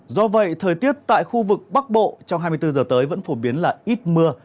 do vậy thời tiết tại khu vực bắc bộ trong hai mươi bốn giờ tới vẫn phổ biến là ít mưa